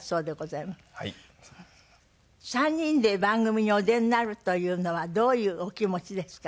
３人で番組にお出になるというのはどういうお気持ちですか？